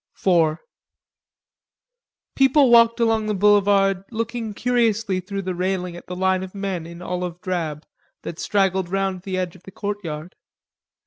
IV People walking along the boulevard looked curiously through the railing at the line of men in olive drab that straggled round the edge of the courtyard.